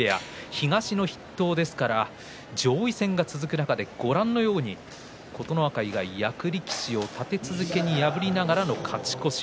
東の筆頭ですから上位戦が続く中で、ご覧のように琴ノ若以外、役力士を立て続けに破りながらの勝ち越し。